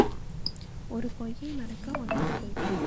ஒரு பொய்யை மறைக்க ஒன்பது பொய்.